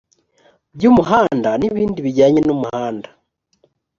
by umuhanda n ibindi bijyanye n umuhanda